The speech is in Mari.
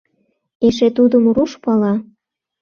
Эше тудым руш пала.